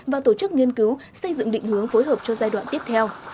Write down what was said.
và tổ chức nghiên cứu xây dựng định hướng phối hợp cho giai đoạn tiếp theo